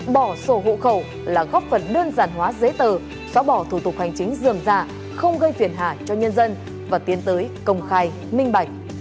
bỏ sổ hộ khẩu là góp phần đơn giản hóa giấy tờ xóa bỏ thủ tục hành chính dườm giả không gây phiền hạ cho nhân dân và tiến tới công khai minh bạch